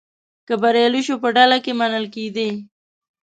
که بریالی شو په ډله کې منل کېدی.